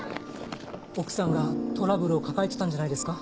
奥さんがトラブルを抱えてたんじゃないですか？